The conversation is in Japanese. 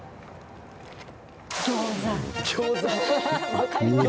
分かります？